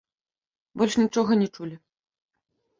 Больш нічога не чулі.